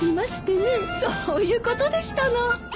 そういうことでしたの。